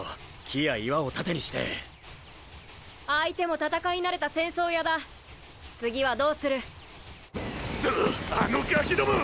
木や岩を盾にして相手も戦い慣れた戦争屋だ次はどうするクソッあのガキども！